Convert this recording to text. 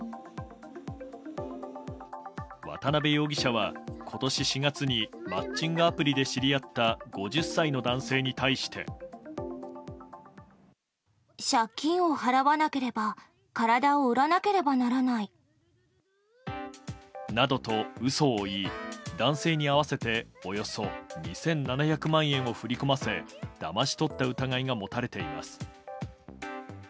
渡辺容疑者は今年４月にマッチングアプリで知り合った５０歳の男性に対して。などと嘘を言い男性に合わせておよそ２７００万円を振り込ませだまし取った疑いが持たれています。